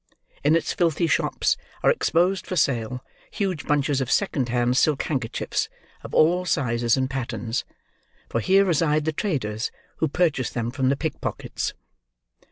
In its filthy shops are exposed for sale huge bunches of second hand silk handkerchiefs, of all sizes and patterns; for here reside the traders who purchase them from pick pockets.